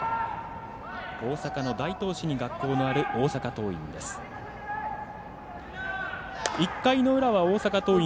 大阪の大東市に学校のある大阪桐蔭。